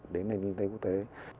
đến nền kinh tế quốc tế